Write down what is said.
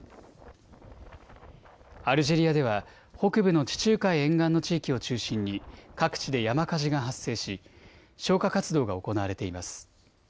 アルジェリアでは北部の地中海沿岸の地域を中心に各地で山火事が発生し消火活動が行われています。